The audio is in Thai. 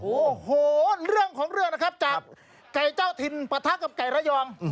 โอ้โหเรื่องของเรื่องนะครับจากไก่เจ้าถิ่นปะทะกับไก่ระยอง